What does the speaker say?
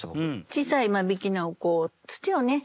小さい間引菜を土をね